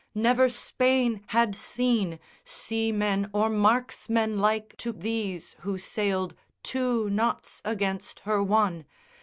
Never Spain had seen Seamen or marksmen like to these who sailed Two knots against her one.